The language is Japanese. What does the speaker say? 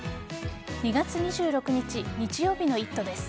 ２月２６日日曜日の「イット！」です。